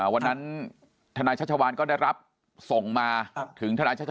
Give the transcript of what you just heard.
วันนั้นธนัยชะชาวัลได้รับส่งมา